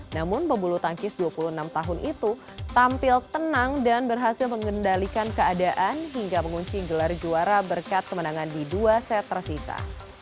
namun pembulu tangkis dua puluh enam tahun itu tampil tenang dan berhasil mengendalikan keadaan hingga mengunci gelar juara berkat kemenangan di dua set tersisa